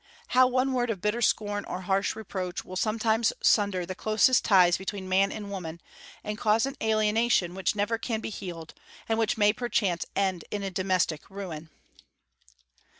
How one word of bitter scorn or harsh reproach will sometimes sunder the closest ties between man and woman, and cause an alienation which never can be healed, and which may perchance end in a domestic ruin!